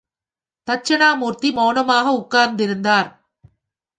தட்சிணாமூர்த்தி மௌனமாக உட்கார்ந்திருந்தார்!